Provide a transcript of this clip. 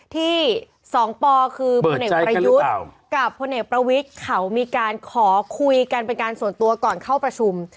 ที่๒ปคือพนอาญุโภงกับพนประวิทข่าวมีการขอคุยกันเป็นการส่วนตัวก่อนเข้าประชุม